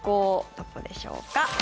どこでしょうか？